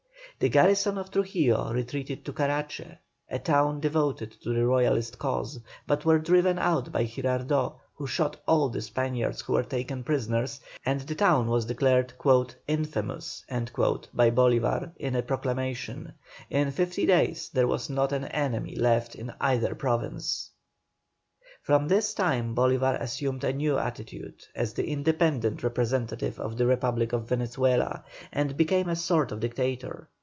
The garrison of Trujillo retreated to Carache, a town devoted to the Royalist cause, but were driven out by Girardot, who shot all the Spaniards who were taken prisoners, and the town was declared "infamous" by Bolívar in a proclamation. In fifty days there was not an enemy left in either province. From this time Bolívar assumed a new attitude, as the independent representative of the Republic of Venezuela, and became a sort of Dictator.